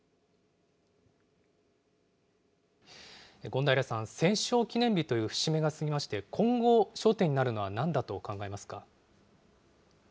権平さん、戦勝記念日という節目が過ぎまして、今後、焦点になるのはなんだと考えますか。